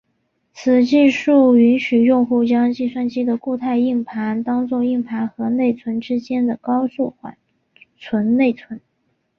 此技术允许用户将计算机的固态硬盘当做硬盘和内存之间的高速缓存内存。